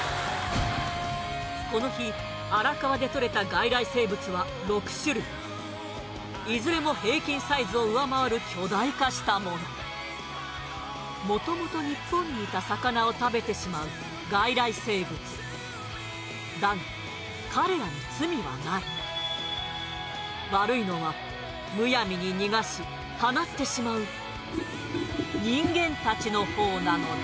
この日荒川でとれた外来生物は６種類いずれも平均サイズを上回る巨大化したものもともと日本にいた魚を食べてしまう外来生物だが彼らに罪はない悪いのはむやみに逃がし放ってしまう人間たちの方なのだ